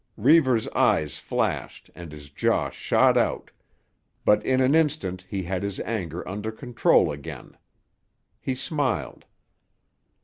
Reivers' eyes flashed and his jaw shot out, but in an instant he had his anger under control again. He smiled.